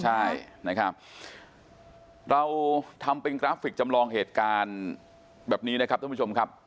ใช่นะครับเราทำเป็นกราฟิกจำลองเหตุการณ์แบบนี้นะครับท่านผู้ชมครับ